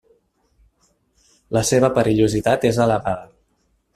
La seva perillositat és elevada.